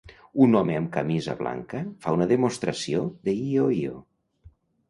Un home amb una camisa blanca fa una demostració de io-io.